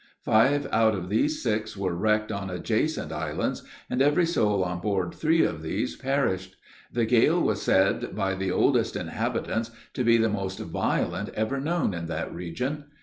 Five out of these six were wrecked on adjacent islands, and every soul on board three of these perished. The gale was said, by the oldest inhabitants, to be the most violent ever known in that region.